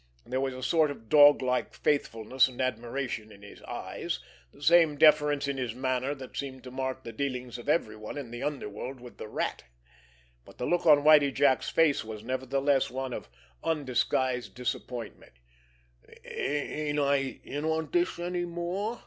There was a sort of dog like faithfulness and admiration in his eyes, the same deference in his manner that seemed to mark the dealings of everyone in the underworld with the Rat; but the look on Whitie Jack's face was nevertheless one of undisguised disappointment. "Ain't I in on dis any more?"